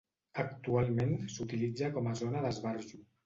Actualment s'utilitza com a zona d'esbarjo.